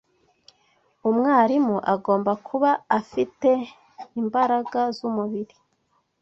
umwarimu agomba kuba afite imbaraga z’umubiri